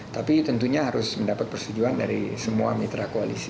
tapi tentunya harus mendapat persetujuan dari semua mitra koalisi